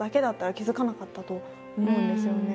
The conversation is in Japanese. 気付かなかったと思うんですよね。